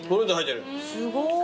すごい。